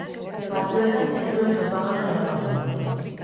Batzuetan ez zuen propaganda eramaten.